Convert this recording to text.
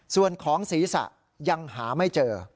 ส่วนของศีรษะยังหาไม่เจอ